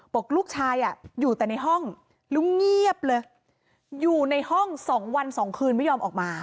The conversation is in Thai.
บอกลูกชายอยู่แต่ในห้องแล้วเงียบเลยอยู่ในห้อง๒วัน๒คืนไม่ยอมออกมา